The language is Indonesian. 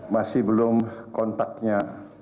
masih belum kontaknya